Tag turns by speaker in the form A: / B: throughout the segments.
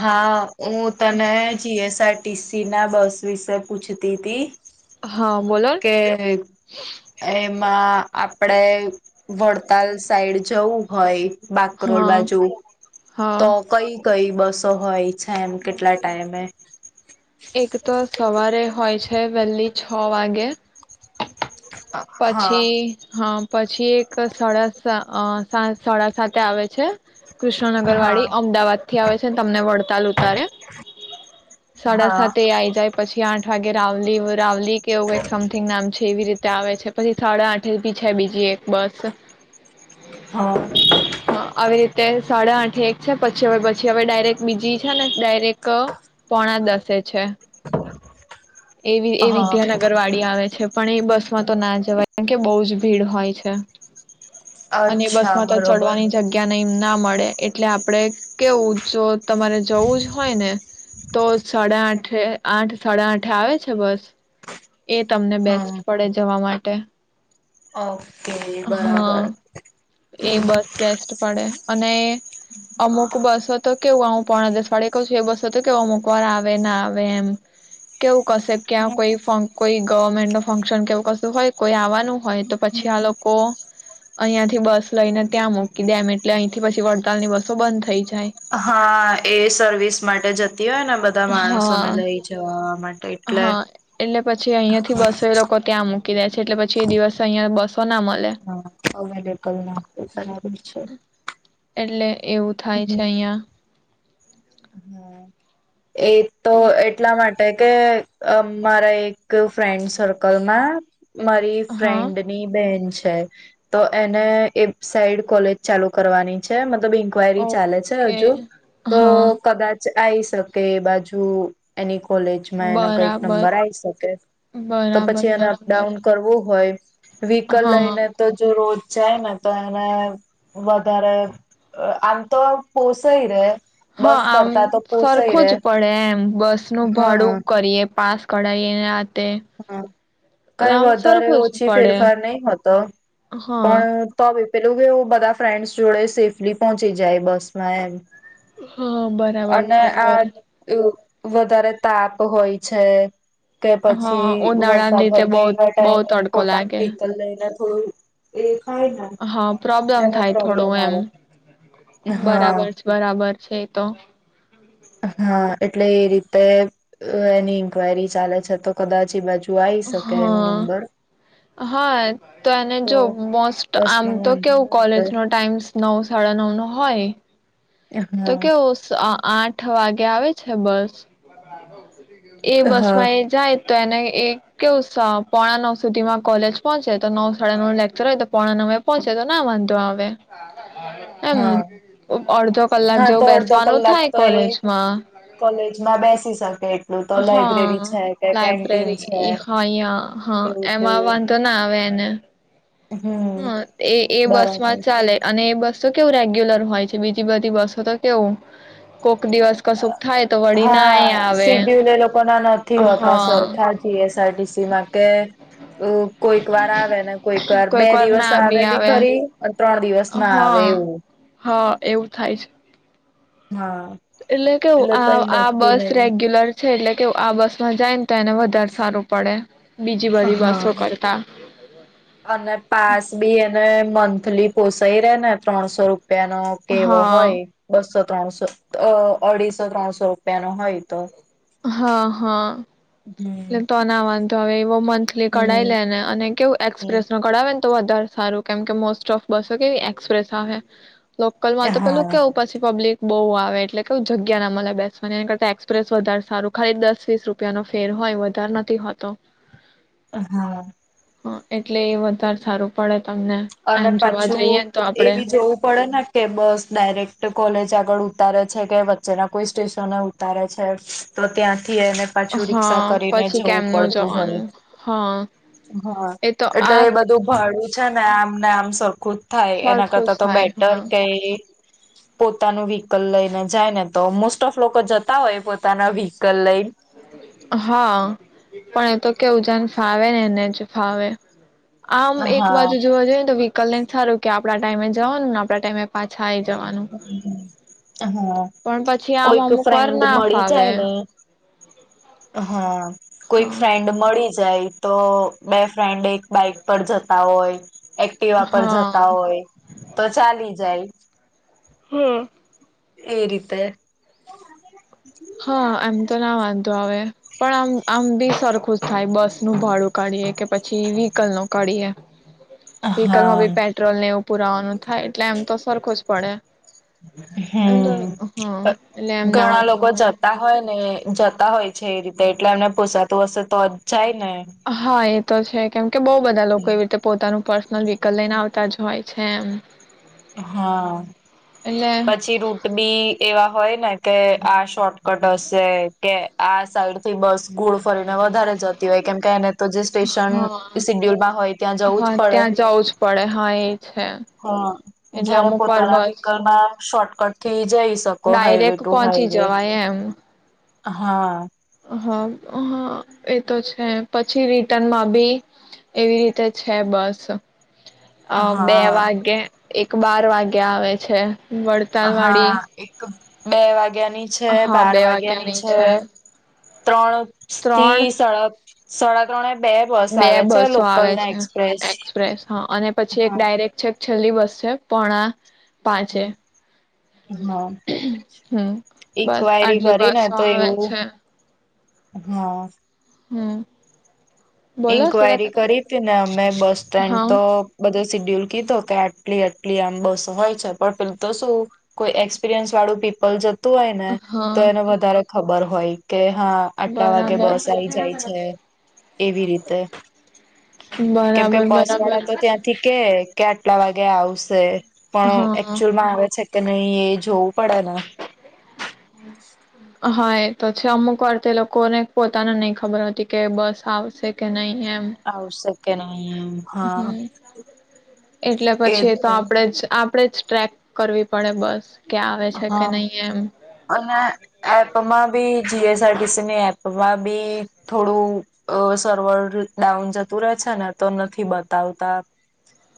A: હા ઉ તને જી એસ ટીસી ના બસ વિશે પૂછતી હતી,
B: હા બોલો ન.
A: કે એ માં આપણે વડતાલ સાઈડ જવું હોય બાગકોલ
B: હા
A: બાજુ તો
B: હા
A: કઈ કઈ બસો હોય છે, એમ કેટલા ટાઈમે
B: એક તો સવારે હોય છે. [unintelligible] છ વાગે
A: હા
B: પછી હ પછી એક સ સાથે આવે છે. કૃષ્ણનગર
A: હા
B: વાળી અમદાવાદ થી આવે છેને તમને વડતાલ ઉતારે, સાડા
A: હા
B: સાતે આવી જાય પછી આઠ વાગે રાવલી રવલી કેવું કઈક સમથિંગ નામ છે, એવી રીતે આવે છે. પછી સાડા આઠ બી છે, બીજી એક બસ.
A: હા.
B: તે સાડા આઠે એક છે, પછી પછી હવે ડાયરેક્ટ બીજી છે ને ડાયરેક્ટ પોણા દસે છે. એવી [unintelligible] એ
A: હા
B: વિદ્યાનગર વાડીી આવે છે. પણ એ બસ માં તો ના જવાય [unintelligible] કે બઉુ જ ભીડ હોય છે. અને બસ
A: અચ્છા
B: માં તો
A: બરોબર
B: ચડવાની જગ્યા. ના મળે એટલે આપણે કેવું જો તમારે જવું જ હોય ને તો સાડા આઠ આઠ સાડા આઠ. [unintelligible] છે, બસ. એ તમને
A: હા
B: બેસ્ટ પડે જવા માટે.
A: ઓકે બરાબર.
B: હા એ
A: હમ
B: બસ બેસ્ટ પડે અને અમુક બસો તો કેવું હું પોણા દસ વાડે કઉ છું એ બસો તો કેવ અમુક વાર આવે ના આવે એમ કેવું કશે ક્યાં કોઈ કોઈ ગવર્મેન્ટ ન ફંક્શન કેવું કશું હોય કોઈ આવવાનું હોય તો પછી
A: હમ
B: આ લોકો [unintelligible] બસ. લઈને ત્યાં મૂકી દે એમ એટલે અહીંથી પછી વડતાલ ની બસો બંધ થઈ જાય.
A: હા એ સર્વિસ માટે જતી હોય ને બધા માણસોને
B: હા
A: લઈ જવા માટે એટલે.
B: હા એટલે પછી અહિયાંથી
A: હા
B: બસો એ લોકો ત્યાં મૂકી દે છે એટલે પછી એ દિવસે અહિયા બસો ના મળે.
A: [inaudible] [unintelligible]
B: એટલે. એવું થાય છે અહિયાં.
A: હમ્મ એ તો
B: એટલે
A: એટલા માટે. એટલે કે આ મારા એક ફ્રેન્ડ સર્કલમાં. મારી
B: હા
A: ફ્રેન્ડની બેન છે. તો એને એ સાઈડ કોલેજ ચાલુ કરવાની છે. મતલબ ઇન્ક્વાયરી ચાલે છે
B: ઓકે
A: હજુ તો.
B: હા
A: કદાચ આવી શકે એ બાજુ એની કોલેજમાં એનો કઈક
B: બરાબર
A: નંબર આવી શકે તો
B: બરાબર
A: પછી એને
B: બરાબર
A: અપડાઉન કરવું હોય. વિક્લ
B: હા
A: લઈને તો જો રોજ જાય ને તો એને વધારે આમ તો પોષાય રે.
B: હા
A: બસ
B: આમ
A: કરતા તો પોસાય
B: સરખું
A: રે
B: જ પડે એમ બસ નું
A: હા
B: ભાડું કરીએ પાસ કળાયે
A: હમ કઈ વધારે
B: સરખું જ
A: ઓછી
B: પડે
A: ફેરફાર નહ હતો
B: હા
A: પણ ત. પેલું કેુવુ બધા ફ્રેન્ડસ જોડે સેફલી પહોંચી જાય બસમાં એમ.
B: હા બરાબર
A: અને
B: બરાબર.
A: આ વધારે તાપ હોય છે. તે પછી.
B: હા
A: પછી
B: ઉનાળાની
A: વરસાદ
B: રીતે
A: હોય તો
B: બહુ
A: એવા
B: બહુ
A: ટાઈમે
B: તડકો
A: પોતાનું
B: લાગે
A: વિક્લ લઈને. હ એક.
B: હા પ્રોબ્લેમ થાય થોડું એમ
A: આવે. હા
B: બરાબર છે બરાબર છે તો
A: હા એટલે એ રીતે એની ન્ક્વાયરી ચાલે છે તો કદાચ એ બાજુ આવી શકે એનો
B: હા
A: નંબર
B: હા તને
A: તો
B: જો મોસ્ટ
A: બસ
B: આમ
A: માં
B: તો
A: વાંધો
B: કેવું
A: ના આવે
B: કોલેજનો ટાઈમ નવ સાડા નવ નો હોય તો
A: હા
B: કેવુ આઠ આઠ વાગે આવે છે બસ એ બસ
A: હા
B: માં એ જાય તો એને એ કેવું પોણા નવ સુધીમાં કોલેજ પહોંચે તો નવ સાડા નવ નું લેકચર હોય તો પોણા નવે પહોંચે તો ના વાંધો આવે એમ
A: હા
B: અધો કલાક
A: હા
B: જેવું
A: તો અડધો
B: બેસવાનું
A: કલાક
B: થાય
A: તો એ
B: કોલેજમાં.
A: કોલેજમાં બેસી શકે એટલું તો લાઈબ્રેરી
B: હા
A: છે કે કેન્ટીન છે
B: લાયબ્રેરી હા અહીંય હા
A: એવું
B: એમ આવ
A: તેવું
B: વાંધો ના આવે એને.
A: હમ
B: હા એ એ બસ
A: બરાબર
B: માં
A: છે.
B: ચાલે અને એ બસ તો કેવું રેગ્યુલર હોય છે. બીજી બધી બસો તો કેવું કોક દિવસ કશું
A: હા, સીડ્યુલ એ લોકો ના નથી હોતા
B: હા
A: સરખા G S R T C માં કે કોઈક વાર આવે ને કોઈક વાર બે દિવસ આવે બી ખરી ત્રણ દિવસ ના આવે
B: હા,
A: એવું
B: હા એવું થાય છે.
A: હા
B: એટલે કેવું આ
A: કઈ
B: આ
A: નક્કી
B: બસ
A: નહી
B: રેગ્યુલર છે એટલે કે આ બસમાં જાય ને તો એને વધારે સારું પડે. બીજી બધી
A: હા,
B: બસો કરતા
A: અને પાસ બી એને મંથલી પોસાઈ રે ને ત્રણસો રૂપિયાનો કેવો
B: હા
A: હોય બસો ત્રણસો અ અઢીસો ત્રણસો રૂપિયા નો હોય તો
B: હા હા,
A: હમ
B: એ તોનાવા તો હવે એવો મંથલી કઢાવી લે
A: હમ
B: ને અને કેવું એક્સપ્રેસ નો કઢાવે તો વધારે સારું કેમ કે મોસ્ટ ઓફ બસો કેવી એક્સપ્રેસ આવે લોકલ માં તો પેલું
A: હા
B: કેવું પછી પબ્લિક બહુ આવે એટલે કે જગ્યા ના મલે બેસવાને એના કરતા એક્સપ્રેસ વધારે સારું ખાલી દસ વીસ રૂપિયા નો ફેર હોય વધારે નથી હોતો.
A: હા.
B: હા એટલે એ વધારે સારું પડે તમને
A: અને
B: એમ જોવા
A: પાછું
B: જઈએ ને તો આપડે
A: એવી જોવું પડે ને કે બસ ડાયરેક્ટ કોલેજ આગળ ઉતારે છે કે વચ્ચેના કોઈ સ્ટેશન ઉતારે છે તો ત્યાં થી એને પાછું રિક્ષા
B: હા
A: કરીને
B: પછી
A: જવું
B: કેમનું
A: પડતું હોય.
B: જવાનું હા
A: હા
B: એ તો
A: એટલે
B: આ
A: એ બધું ભાડું છે ને ના આમ ને આમ સરખું જ થાય એના
B: સરખું
A: કરતાં
B: જ
A: તો
B: થાય
A: બેટર
B: હા
A: કે એ પોતાનું વ્હીકલ લઈને જાય ને તો મોસ્ટ ઓફ લોકો જતા હોય પોતાના વ્હીકલ લઈ
B: હા પણ એ તો કે ઉજાન ફાવે ને એને જ ફાવે. આમ એક
A: હા
B: બાજુ જોવા જોઈએને તો વિ કલેને સારું કે આપડા ટાઈમે જવાનુંને આપડા ટાઈમે પાછા આવી
A: હા
B: પણ પછી આમ
A: કોઈક
B: અમુક વાર
A: ફ્રેન્ડ
B: ના
A: મળી
B: ફાવે
A: જાય ને હા. કોઈક
B: હા
A: ફ્રેન્ડ મળી જાય તો બે ફ્રેન્ડ એક બાઈક પર જતા હોય એક્ટિવા પર
B: હા
A: જતા હોય તો ચાલી જાય
B: હ
A: એ રીતે
B: હા એમ તો ના વાંધો આવે પણ આમ આમ બી સરખું જ થાય બસ નું ભાડું કાઢીએ કે પછી વ્હીકલ નું કાઢીએ વિક્લ નો ભી
A: હા
B: પેટ્રોલ ને પુરાવાનું થાય એટલે એમ તો સરખો જ પડે એમ તો
A: હમ્મ
B: હા
A: પ
B: એટલે એમ ના
A: ઘણા
B: વાંધો
A: લોકો લોકો
B: આવે
A: જતા હો ને જતા હોય છે એ રીતે એટલે એમને પૂસાતું હશે તો જ જાય ને
B: હા એ તો છે કેમ કે બહુ બધા લોકો એવી રીતે પોતાનું પર્સનલ વ્હીકલ લઈને આવતા જ હોય છે
A: હા
B: એટલે
A: પછી રૂટબી એવા હોય ને કે આ શોર્ટકટ હશે કે આ સાઈડ થી બસ ગુળ ફરીને વધારે જતી હોય કેમકે એને તો જે સ્ટેશન
B: હા
A: સિડ્યુલમાં હોય ત્યાં જવું જ
B: હા
A: પડે
B: ત્યાં જવું જ પડે હા એ છે
A: હ
B: એટલે
A: જયારે
B: અમુક વાર
A: પોતાના
B: બસ
A: વિકલમાં માં શોટ કટ
B: ડાયરેક્ટ પહોંચી જવાય એમ
A: હા
B: હા હા એ તો છે પછી રિટર્નમાં બી એવી રીતે છે બસ હ
A: હા
B: બેવાગે એક બાર વાગ્યા આવે છે વડતાલ
A: હા
B: વાળી
A: એક. બે વાગે વાગ્યાની છે
B: હા
A: બાર
B: બે
A: વાગ્યા ની
B: વાગ્યાની
A: છે. ત્રણ.
B: ત્રણ
A: થી સાડા ત્રણ સાડા ત્રણએ
B: બે બસો આવે છે
A: એક્સપ્રેસ
B: એક્સપ્રેસ હા અને પછી એક
A: હા
B: ડાયરેક્ટ છે. છેલ્લી બસસે પોણા પાંચે
A: હા
B: હમ્મ બસ
A: ઈન્ક્વાયરી
B: આટલી
A: કરી ને
B: બસો
A: તો
B: આવે
A: એવું
B: છે.
A: હા
B: હમ્મ
A: ઇન્કવાયરી કરી હતી ને અમે બસ સ્ટેન્ડ તો
B: હા
A: બધા સિડ્યુલ કીધો કે આટલી આટલી આમ બસ હોય છે પણ પેુ તો શું કોઈ એક્સપિરિયન્સ વાળું પીપલ જતું હોય ને તો
B: હા
A: એને વધારે ખબર હોય. કે હા આટલા વાગે
B: બરાબર
A: બસ આઈ જાય છે. એવી રીતે કેમ કે
B: બરાબર
A: બસ
B: બરાબર
A: વાળા તો ત્યાંથી કે કે આટલા વાગ વાગે આવશે પણ
B: હા
A: એકક્ચુઅલમાં આવે છે કે નહી એ જોવું પડેને
B: હા એ તો છે અમુક વાર તે લોકોને પોતાને નઈ ખબર હોતી કે બસ આવશે કે નહી
A: આવ સે કે નહીં
B: હમ્મ એટલે
A: એ
B: પછી તો આપડેજ આપડે જ ટ્રેક કરવી પડે બસ કે આવે છે કે
A: હા
B: નહી એમ
A: અને એપમાં ભી. જીએસઆરટીસીની એપમાં બી થોડું અ સર્વર ડાઉન જતું રહે છે ને તો નથી બતાવતા.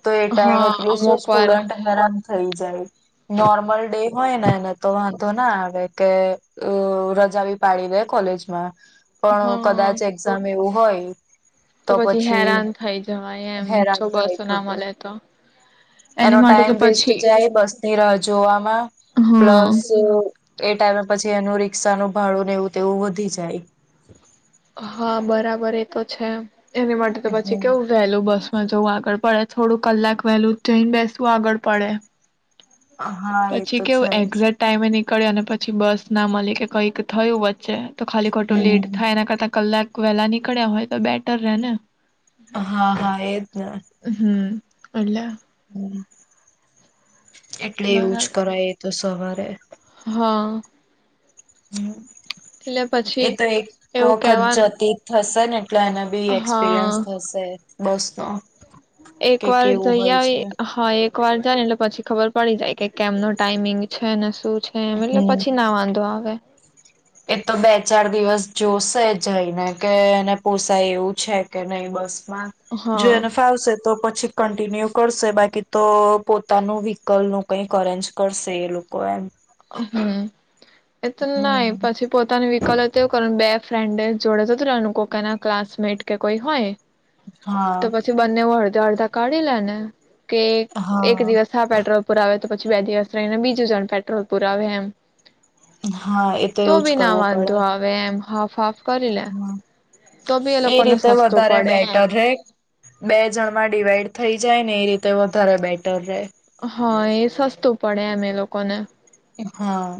A: તો એ ટાઈમે
B: હા
A: પેલું શું
B: અમુક વાર
A: સ્ટુડન્ટ હેરાન થઈ જાય. Normal day. હોય ના તો વાંધો ના આવે કે અ રજાવી પાડી દે કોલેજમાં. પણ
B: હા
A: કદાચ એક્ઝામ એવું હોય. તો પછી
B: હેરાન થઈ જવાય એમ
A: હેરાન
B: જો
A: થાય
B: બસો ના
A: ખોટું
B: મળે તો એની
A: એનો
B: માટે
A: ટાઈમ
B: તો
A: વેસ્ટ
B: પછી
A: જાય બસ ની રા જોવામાં
B: હા
A: પ્લસ અ એ ટાઈમે પછી એનું રિક્ષાનું ભાડુંને એવું તેવું વધી જાય
B: હા બરાબર એ તો છે. એની માટે તો પછી કેવું વહેલું બસ માં જવું આગળ પડે થોડું કલાક વહેલું જઈને બેસવા આગળ પડે
A: હા એ
B: પછી
A: તો
B: કેવું
A: છે જ
B: એક્ઝેટ ટાઈમે નીક નીકળયા અને પછી બસના મલી કેે કઈક થયું વચ છે તો ખાલી ખોટો લેટ થાય
A: હમ
B: એના કરતા કલાક વહેલા નીકળ્યા હોય તો બેટર રહે ને
A: હા હા એજ ને
B: અલા
A: હમ્મ એટલે એવું જ
B: બરાબર.
A: કરાય એટ તો સવારે
B: હા
A: હમ્મ
B: એટલે
A: એ
B: પછી
A: તો એક
B: એવું
A: વખત
B: કેવાનું
A: જતી થશે તને તને બી એક્સપિરિયન્સ
B: હા
A: થશે. બસનો
B: એક
A: કે
B: વાર
A: કેવું
B: જઈ
A: હોય છે
B: આવી હા એક વાર જાય ને પછી ખબર પડી જાય કે કેમનું ટાઈઇમિંગ છે ને શું છે એમ એટલે
A: હમ
B: પછી ના વાંધો આવે [inaudible]
A: એ તો બે ચાર દિવસ જોશે જઈને કે એને પોસાય એવું છે કે નહી બસ જો
B: હા
A: એને ફાવશે તો પછી કન્ટિન્યુ કરશે બાકી તો પોતાનું વ્હીકલનું કંઈક અરેન્જ કરશે એ લોકો એમ
B: હમ્મ એ તો નાય
A: હમ
B: પછી પોતાની વ્હીકલ એવું તે એવુ કર બે ફ્રેન્ડે જોડે જતુ રેવાનુ કોકના ક્લાસમેટ કે કોઈ હોય
A: હા
B: તો પછી બંને વજ જો અડધા કાળી લેને કે એક દિવસ હા પેટ્રોલ પુરાવે તો પછી બે દિવસ રહીને બીજું જણ પેટ્રોલ પુરા એમ
A: હા એ
B: તો
A: એવું જ
B: ભી ના
A: કરવું
B: વાંધો
A: પડે
B: આવે એમ હાફ હાફ કરી લે તો બી
A: એ
B: લોકોને
A: રીતે
B: સસ્તું
A: વધારે
B: પડે
A: બેટર
B: એમ
A: રેય બે જણમાં ડીવાઈડ થઈ જાય ને એ રીતે વધારે બેટર રહે.
B: હા એ સસ્તું પડે એમ એ લોકોને.
A: હા.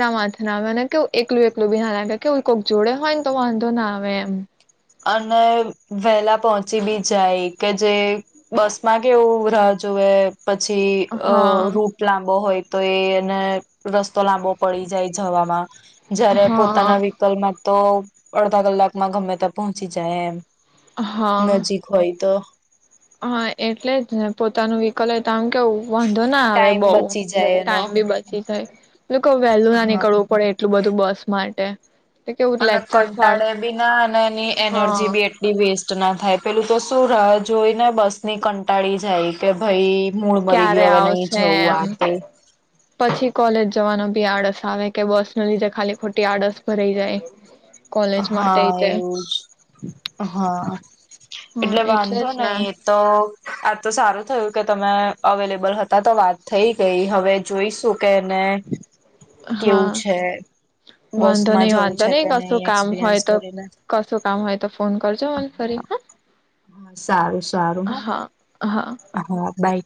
B: ના માથે ના આવે અને કે એકલું એકલું બી લાગે કે એું કોઈક જોડે હોય ને તો વાંધો ના આવે એમ.
A: અને વહેલા પહોંચી બી જાય કે જે બસ માં કેવું રાહજુએ. પછી અ
B: હા
A: રૂટ લાંબો હોય. તો એને રસ્તો લાંબો પડી જાય જવામાં. જય્યારે
B: હા
A: પોતાના વિકલ્માં તો. અડધા કલાકમાં ગમે તેમ પહોચી જાય એમ.
B: હા
A: નજીક હોય તો
B: હા એટલે જ ને પોતાનું વિકલ હોય તો આમ કેવું વાંધો ના આવે
A: ટાઈમ
B: બઉુ
A: બચી જાય એનો
B: ટાઈમ બી બચી થાય વહેલું ના
A: હા
B: નીકળવું પડે એટલું બધું ું બસ માટે તો કેવું
A: અને
B: લેક્ચર સાળ
A: કંટાળે બી ના અને એની એનર્જી
B: હા
A: બી એટલી વેસ્ટ ના થાય પેલું તો શું રહ જોઈને બસ ની કંટાળી જાય કે ભાઈ મૂળ મરી
B: ક્યારે
A: ગયું હવે નહી
B: આવશે
A: જવું
B: એમ
A: આ તે
B: પછી કોલેજ જવાનો બી આડસ આવે કે બસ ન લીધે ખાલી ખોટી આળસ ભરાઈ જાય કોલેજ માટે
A: હા
B: તે
A: એવું જ હા
B: હા
A: એટલે વાંધો
B: જ ને
A: નહી એ તો આ તો સારું થયું કે તમે અવેલેબલ હતા તો વાત થઈ ગઈ હવે જોઈશું કેને
B: હા
A: કેવું છે બસ
B: વાંધો
A: માં
B: નહી
A: જવું
B: વાંધો
A: છે
B: નહી
A: કેને
B: કશું
A: અહી
B: કામ હોય તો કસ કામ હોય તો ફોન કરજો મલ ફરી
A: હા સારું સારું
B: હા હ--.
A: હા બાઈ